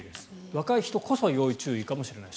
若い人こそ要注意かもしれない。